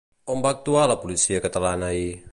On va actuar la policia catalana ahir?